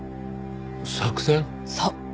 そう。